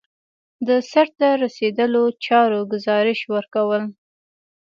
د سرته رسیدلو چارو ګزارش ورکول.